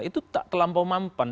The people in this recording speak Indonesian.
itu tak terlampau mampan